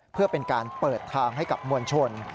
เพื่อเป็นการเปิดทางให้กับมวลชน